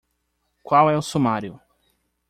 Qual é o sumário?